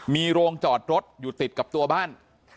มีโรงจอดรถอยู่ติดกับตัวบ้าน